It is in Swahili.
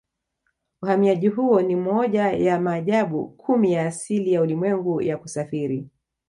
Uhamiaji huo ni moja ya maajabu kumi ya asili ya ulimwengu ya kusafiri